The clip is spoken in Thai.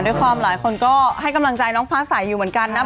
ด้วยความหลายคนก็ให้กำลังใจน้องฟ้าใสอยู่เหมือนกันนะ